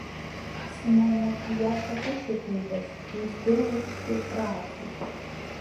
Симонов ииашагәышьоуп ииҳәаз, уи здыруеижьҭеи крааҵуеит.